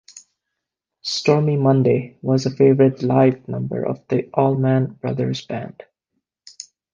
"Stormy Monday" was a favorite live number of the Allman Brothers Band.